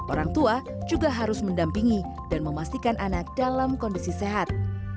orang tua juga harus mendampingi dan memastikan anak dalam kondisi sehat